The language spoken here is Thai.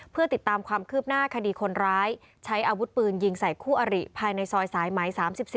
เพื่อติดตามความคืบหน้าคดีคนร้ายใช้อาวุธปืนยิงใส่คู่อริภายในซอยสายไหม๓๔